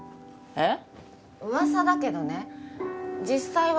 えっ！？